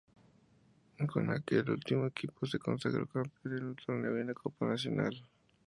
Con aquel último equipo se consagró campeón en un torneo y una copa nacional.